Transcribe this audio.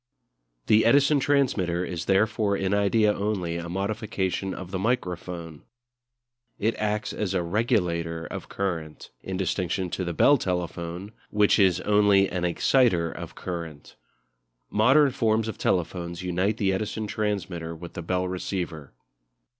The Edison transmitter is therefore in idea only a modification of the microphone. It acts as a regulator of current, in distinction to the Bell telephone, which is only an exciter of current. Modern forms of telephones unite the Edison transmitter with the Bell receiver.